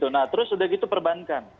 nah terus udah gitu perbankan